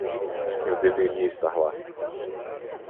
Eu deveria estar lá.